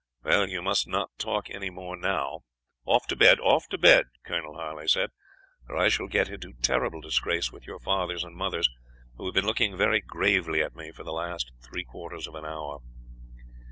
"Well, you must not talk any more now. Off to bed, off to bed," Colonel Harley said, "or I shall get into terrible disgrace with your fathers and mothers, who have been looking very gravely at me for the last three quarters of an hour."